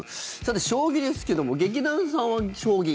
将棋ですけども劇団さんは将棋。